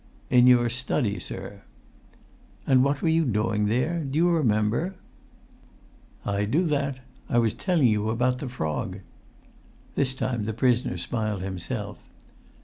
"In your study, sir." "And what were you doing there? Do you remember?" "I do that! I was telling you about the frog." This time the prisoner smiled himself.